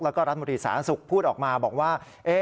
แล้วก็รัฐบริษาศักดิ์สุขพูดออกมาบอกว่า